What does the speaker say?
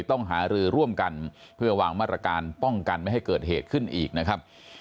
ต้องหารือร่วมกันเพื่อวางมาตรการป้องกันไม่ให้เกิดเหตุขึ้นอีกนะครับ